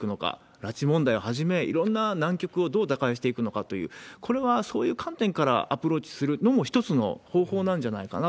拉致問題をはじめ、いろんな難局をどう打開していくのかという、これはそういう観点からアプローチするのも一つの方法なんじゃな